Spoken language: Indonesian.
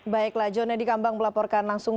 baiklah jon eddy kambang melaporkan langsung